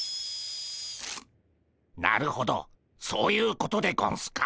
なるほどそういうことでゴンスか。